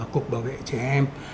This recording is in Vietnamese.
cục bảo vệ trẻ em